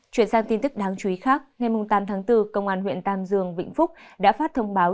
chuyển sang tin tức đáng chú ý khác ngày tám tháng bốn công an huyện tam dương vĩnh phúc đã phát thông báo